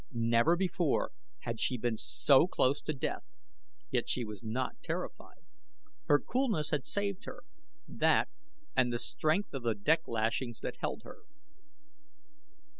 Never before had she been so close to death, yet she was not terrified. Her coolness had saved her, that and the strength of the deck lashings that held her.